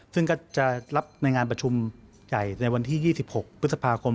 ซึ่งก็จะรับในงานประชุมใหญ่ในวันที่๒๖พฤษภาคม